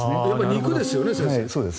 肉ですよね、先生。